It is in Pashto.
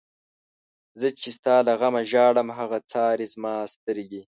زه چی ستا له غمه ژاړم، هغه څاری زما سترگی